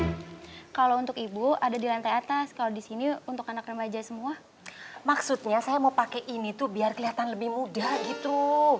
hai kalau untuk ibu ada di lantai atas kalau di sini untuk anak remaja semua maksudnya saya mau pakai ini tuh biar kelihatan lebih mudah gitu